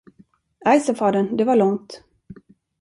Aj, sade fadern, det var långt.